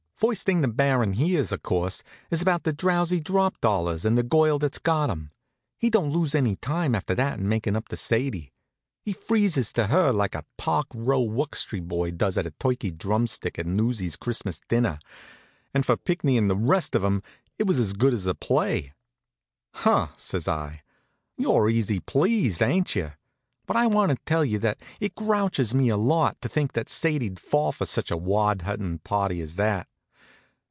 First thing the Baron hears, of course, is about the Drowsy Drop dollars and the girl that's got 'em. He don't lose any time after that in makin' up to Sadie. He freezes to her like a Park Row wuxtree boy does to a turkey drumstick at a newsies' Christmas dinner, and for Pinckney and the rest of 'em it was as good as a play. "Huh!" says I. "You're easy pleased, ain't you? But I want to tell you that it grouches me a lot to think that Sadie'd fall for any such wad huntin' party as that."